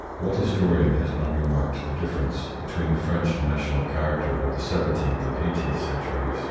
What historian has not remarked the difference between the French national character of the seventeenth and eighteenth centuries